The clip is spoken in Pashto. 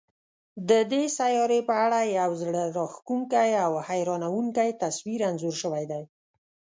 د دې سیارې په اړه یو زړه راښکونکی او حیرانوونکی تصویر انځور شوی دی.